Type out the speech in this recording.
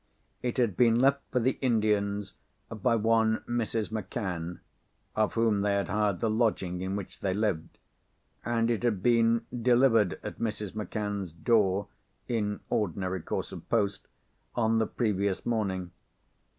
It had been left for the Indians by one Mrs. Macann, of whom they had hired the lodging in which they lived; and it had been delivered at Mrs. Macann's door, in ordinary course of post, on the previous morning.